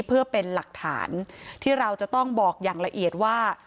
เพื่อเป็นหลักฐานที่เราจะต้องบอกอย่างละเอียดว่า